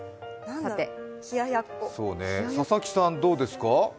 佐々木さん、どうですか？